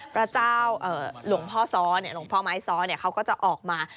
พระเจ้าหลวงพ่อซ้อหลวงพ่อไม้ซ้อเขาก็จะออกมา